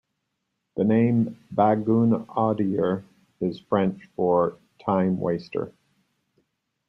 The name "Baguenaudier" is French for "time-waster".